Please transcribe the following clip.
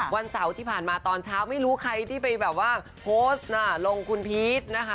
วันเสาร์ที่ผ่านมาตอนเช้าไม่รู้ใครที่ไปแบบว่าโพสต์น่ะลงคุณพีชนะคะ